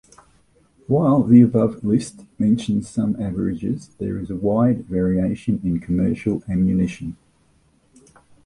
While the above list mentions some averages, there is wide variation in commercial ammunition.